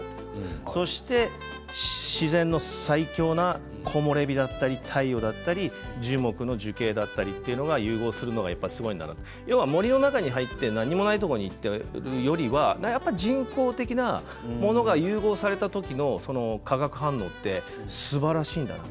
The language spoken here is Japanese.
それで自然の最強な木漏れ日だったり太陽だったり樹木の樹形だったりということが融合するのがすごい森の中に入って何もないところにっていうよりは人工的なものが融合された時の化学反応というのはすばらしいんです。